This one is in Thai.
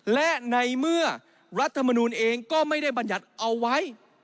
และในเมื่อรัฐมนูลเองก็ไม่ได้บรรยัติเอาไว้